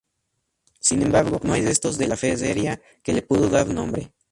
Sin embargo no hay restos de la ferrería que le pudo dar nombre.